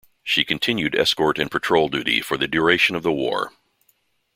She continued escort and patrol duty for the duration of the war.